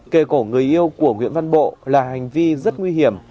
kề cổ người yêu của nguyễn văn bộ là hành vi rất nguy hiểm